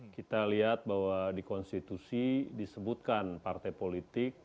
kita lihat bahwa di konstitusi disebutkan partai politik